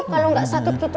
kalau nggak sakit gitu